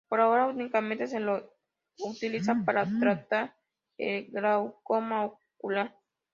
Por ahora únicamente se lo utiliza para tratar el glaucoma ocular.